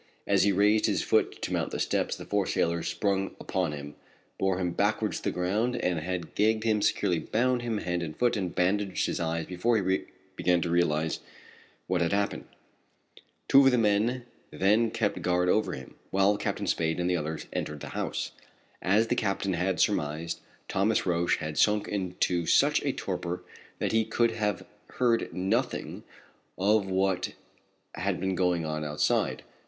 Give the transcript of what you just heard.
As he raised his foot to mount the steps the four sailors sprang upon him, bore him backwards to the ground, and had gagged him, securely bound him hand and foot, and bandaged his eyes before he began to realize what had happened. Two of the men then kept guard over him, while Captain Spade and the others entered the house. As the captain had surmised, Thomas Roch had sunk into such a torpor that he could have heard nothing of what had been going on outside.